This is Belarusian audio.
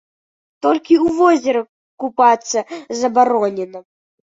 Толькі ў возеры купацца забаронена.